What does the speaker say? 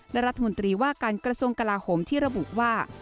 และรัฐมนตรีว่าการกระทรวงกลาโหมที่ระบุว่า